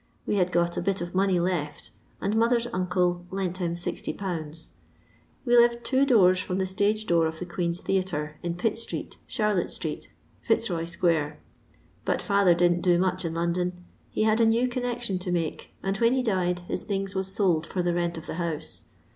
He had got a bit of money lefi, and mother's uncle lent him 60/. We lived two doors from the stage door of the Queen's Theatre, in Pitt street, Charlotte street, Fitaroy square ; but father didn't do much in London ; he had a new connection to make, and when he died his things was sold for the rent of the house.